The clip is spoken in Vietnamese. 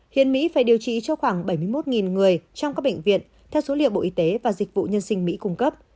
hiện mỹ phải điều trị cho khoảng bảy mươi một người trong các bệnh viện theo số liệu bộ y tế và dịch vụ nhân sinh mỹ cung cấp